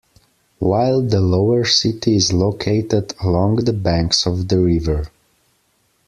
While the lower city is located along the banks of the river.